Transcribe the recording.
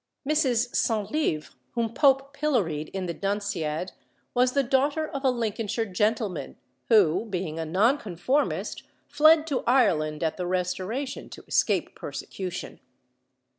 Mrs. Centlivre, whom Pope pilloried in the Dunciad was the daughter of a Lincolnshire gentleman, who, being a Nonconformist, fled to Ireland at the Restoration to escape persecution.